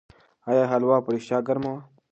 آیا هلوا په رښتیا ګرمه وه؟